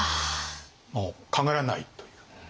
もう考えられないという。